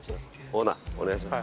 オーナーお願いします。